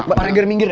pak regar minggir ya